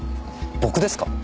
僕ですか？